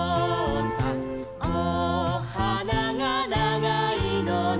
おはながながいのね」